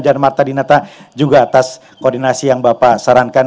dan marta dinata juga atas koordinasi yang bapak sarankan